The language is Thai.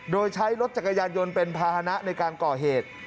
โดยใช้รถจักรยานยนต์เป็นภาษณะในการก่อเหตุ